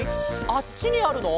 あっちにあるの？